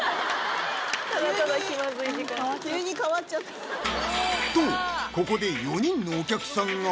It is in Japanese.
急にとここで４人のお客さんが！